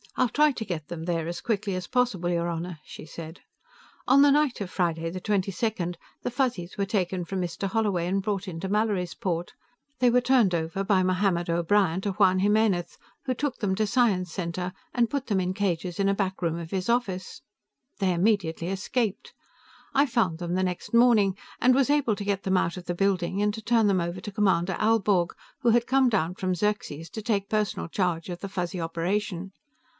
"I'll try to get them there as quickly as possible, your Honor," she said. "On the night of Friday the twenty second, the Fuzzies were taken from Mr. Holloway and brought into Mallorysport; they were turned over by Mohammed O'Brien to Juan Jimenez, who took them to Science Center and put them in cages in a room back of his office. They immediately escaped. I found them, the next morning, and was able to get them out of the building, and to turn them over to Commander Aelborg, who had come down from Xerxes to take personal charge of the Fuzzy operation.